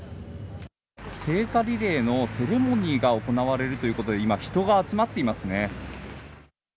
聖火リレーのセレモニーが行われるということで、今、人が集まっていますね。